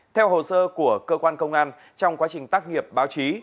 theo hồ sơ của cơ quan công an trong quá trình tác nghiệp báo chí